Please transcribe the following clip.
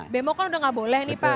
bemo kan udah nggak boleh nih pak